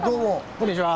こんにちは。